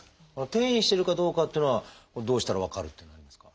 転移してるかどうかっていうのはどうしたら分かるというのはありますか？